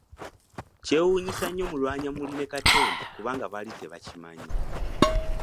Kyewuunyisa nnyo Mulwanyammuli ne Katende kubanga baali tebakimannyi.